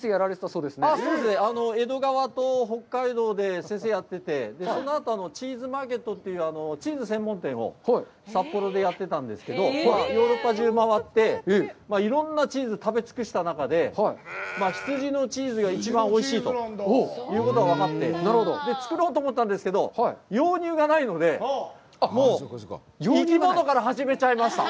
そうですね、江戸川と北海道で先生をやってて、そのあと、チーズマーケットというチーズ専門店を札幌でやってたんですけど、ヨーロッパじゅう回って、いろんなチーズを食べ尽くした中で、羊のチーズが一番おいしいということが分かって、作ろうと思ったんですけど、羊乳がないので、もう生き物から始めちゃいました。